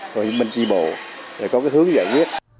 rồi mình đi bộ để có hướng giải quyết